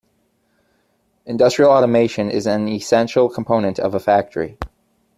Industrial automation is an essential component of a factory.